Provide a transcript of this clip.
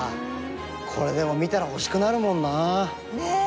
これでも見たら欲しくなるもんな。